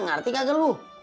ngerti kagak geluh